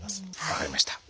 分かりました。